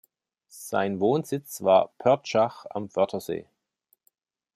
Sein Wohnsitz war Pörtschach am Wörthersee.